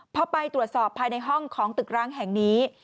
พอไปตรวจสอบภายในห้องของตึกร้างแห่งนี้